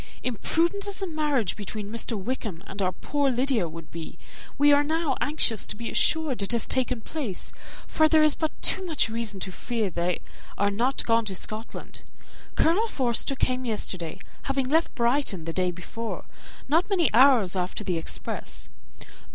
Imprudent as a marriage between Mr. Wickham and our poor Lydia would be, we are now anxious to be assured it has taken place, for there is but too much reason to fear they are not gone to Scotland. Colonel Forster came yesterday, having left Brighton the day before, not many hours after the express.